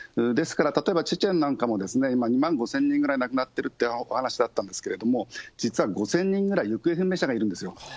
ですから、例えばチェチェンなんかもですね、２万５０００人ぐらい亡くなってるってお話だったんですけども、実は５０００人ぐらい行方不明者がいるんですよ。